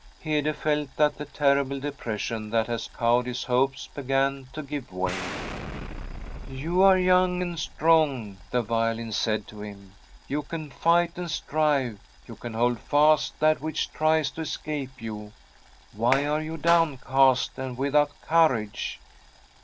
Hede felt that the terrible depression that had cowed his hopes began to give way. * You are youne and strong,' the violin said to him. ' You can nght and strive ; you can hold fast that which tries to escape you. Why are you downcast and without courage